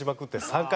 ３回？